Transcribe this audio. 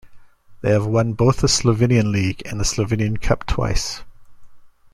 They have won both the Slovenian League and the Slovenian Cup twice.